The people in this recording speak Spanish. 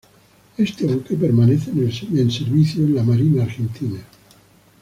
Este buque permanece en servicio en la Marina Argentina.